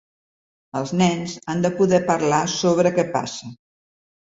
Els nens han de poder parlar sobre què passa.